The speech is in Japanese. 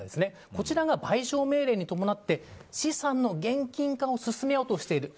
こちらが賠償命令に伴って資産の現金化を進めようとしている。